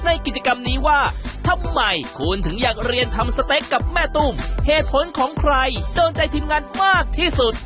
ในกิจกรรมนี้ว่าทำไมคุณถึงอยากเรียนทำสเต๊กกับแม่ตุ้มเหตุผลของใครโดนใจทีมงานมากที่สุด